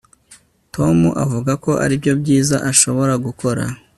tom avuga ko aribyo byiza ashobora gukora